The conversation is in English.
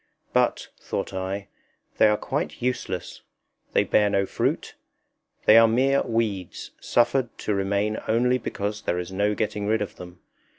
But, thought I, they are quite useless; they bear no fruit; they are mere weeds, suffered to remain only because there is no getting rid of them.